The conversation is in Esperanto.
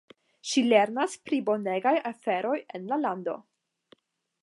Ŝi lernas pri bonegaj aferoj en la lando.